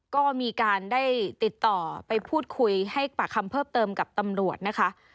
ก็มีการได้ติดต่อไปพูดคุยให้ปากคำเพิ่มเติมกับตำรวจนะคะ